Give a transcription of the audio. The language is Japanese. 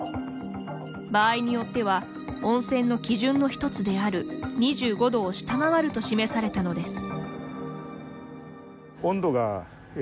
場合によっては温泉の基準の一つである２５度を下回ると示されたのです。